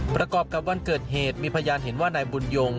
ประกอบกับวันเกิดเหตุมีพยานเห็นว่านายบุญยง